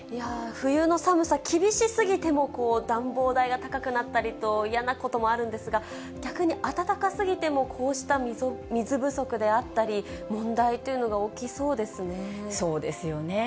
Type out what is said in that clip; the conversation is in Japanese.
冬の寒さ、厳しすぎても暖房代が高くなったりと、嫌なこともあるんですが、逆に暖かすぎてもこうした水不足であったり、そうですよね。